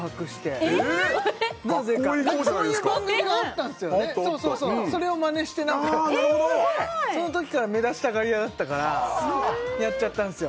そうそうそうそれをまねしてそのときから目立ちたがり屋だったからやっちゃったんすよ